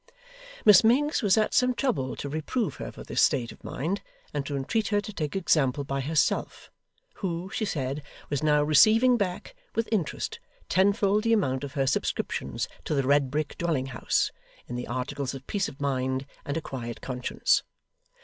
Miss Miggs was at some trouble to reprove her for this state of mind, and to entreat her to take example by herself, who, she said, was now receiving back, with interest, tenfold the amount of her subscriptions to the red brick dwelling house, in the articles of peace of mind and a quiet conscience.